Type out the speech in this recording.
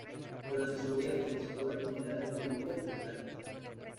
Durante su gobierno, visitó las comunidades de Columbia Británica.